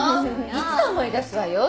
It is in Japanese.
いつか思い出すわよ。